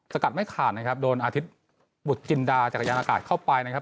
กัดไม่ขาดนะครับโดนอาทิตย์บุตรจินดาจักรยานอากาศเข้าไปนะครับ